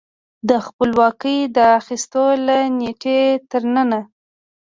د خپلواکۍ د اخیستو له نېټې تر ننه